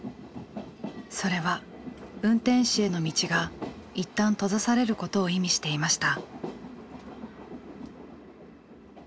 それは運転士への道が一旦閉ざされることを意味していました。